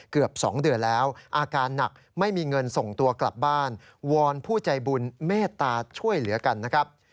เกือบ๒เดือนแล้วอาการหนักไม่มีเงินส่งตัวกลับบ้านวอนผู้ใจบุญเมตตาช่วยเหลือกันนะครับ